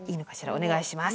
お願いします。